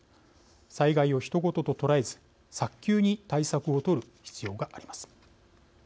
災害を、ひと事と捉えず早急に対策を取る必要があります。